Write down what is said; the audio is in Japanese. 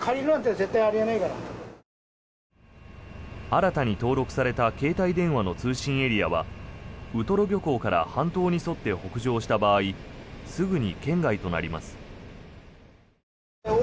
新たに登録された携帯電話の通信エリアはウトロ漁港から半島に沿って北上した場合すぐに圏外となります。